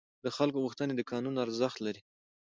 د خلکو غوښتنې قانوني ارزښت لري.